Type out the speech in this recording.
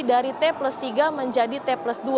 dari t plus tiga menjadi t plus dua